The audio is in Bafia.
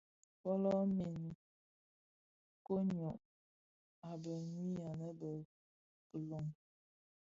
Fölö min, koň йyô a bë ňwi anë bi kilon.